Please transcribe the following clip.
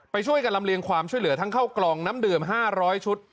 ช่วยกันลำเลียงความช่วยเหลือทั้งเข้ากล่องน้ำดื่ม๕๐๐ชุด